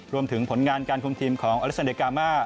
รวมถึงผลงานการคุมทีมของอลิสันเดกามา